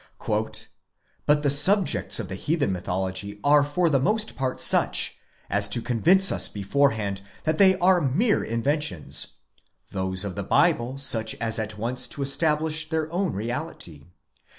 " But the subjects of the heathen mythology are for the most part such, as to convince us beforehand that they are mere inventions: those of the Bible such as at once to establish their own reality.